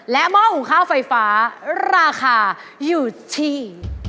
หม้อหุงข้าวไฟฟ้าราคาอยู่ที่